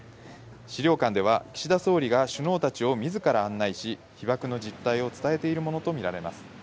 資料館では岸田総理が首脳たちを自ら案内し、被爆の実態を伝えているものとみられます。